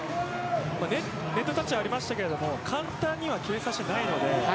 ネットタッチありましたけど簡単には決めさせていないので。